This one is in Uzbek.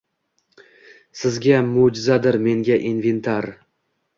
Sizga mo»jizadir, menga – inventar`.